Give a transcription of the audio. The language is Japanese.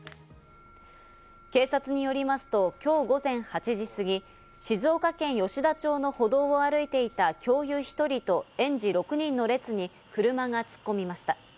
警察によりますと、きょう午前８時すぎ、静岡県吉田町の歩道を歩いていた教諭１人と園児６人の列に車が突っ込みました。